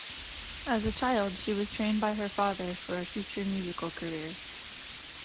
As a child, she was trained by her father for a future musical career.